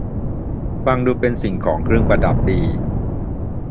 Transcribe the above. ฟังดูเป็นสิ่งของเครื่องประดับดี